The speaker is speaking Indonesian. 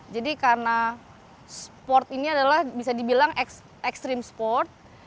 jadi karena sport ini adalah bisa dibilang ekstrim sport